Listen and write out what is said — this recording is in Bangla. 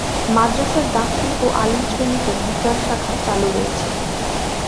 মাদ্রাসার দাখিল ও আলিম শ্রেণীতে বিজ্ঞান শাখা চালু রয়েছে।